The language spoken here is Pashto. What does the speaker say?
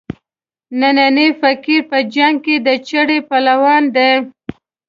نینی فقیر په جنګ کې د چړې پهلوان دی.